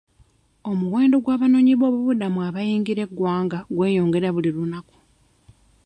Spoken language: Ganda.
Omuwendo gw'abanoonyiboobubudamu abayingira eggwanga gweyongera buli lunaku.